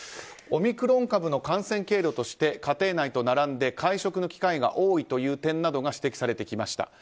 オミクロン株の感染経路として家庭内と並んで会食の機会が多いという点などが指摘されてきました。